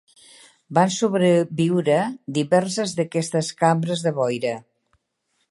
Van sobreviure diverses d'aquestes cambres de boira.